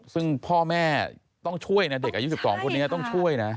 ซึ่งพ่อแม่ต้องช่วยนะเด็กอายุ๑๒คนนี้ต้องช่วยนะ